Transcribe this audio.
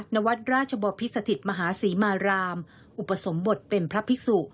นวัดราชบพิสถิตมหาศรีมารามอุปสมบทเป็นพระภิกษุ